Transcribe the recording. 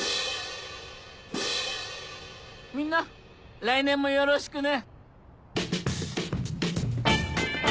みんな来年もよろしくね。